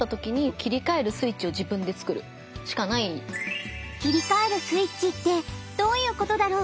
切り替えるスイッチってどういうことだろう？